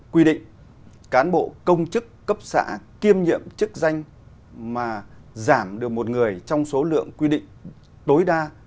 quy định cán bộ công chức cấp xã kiêm nhiệm chức danh mà giảm được một người trong số lượng quy định tối đa